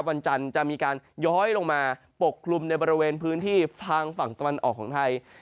วันจันทร์จะมีการย้อยลงมาปกคลุมในบริเวณพื้นที่ทางฝั่งตะวันออกของไทย